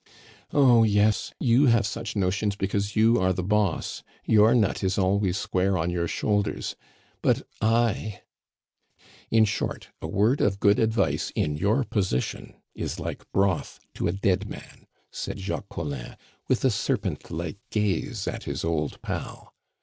"Oh yes, you have such notions because you are the boss. Your nut is always square on your shoulders but I " "In short, a word of good advice in your position is like broth to a dead man," said Jacques Collin, with a serpentlike gaze at his old pal.